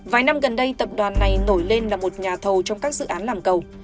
vài năm gần đây tập đoàn này nổi lên là một nhà thầu trong các dự án làm cầu